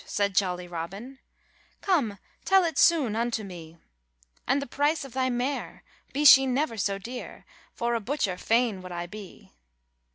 said jolly Robin, 'Come tell it soon unto me; And the price of thy mare, be she never so dear, For a butcher f ain would I be.